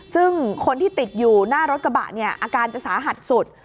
ซึ่งคนที่ติดอยู่หน้ารถกระบะเนี่ยอาการจะสาหัสสุด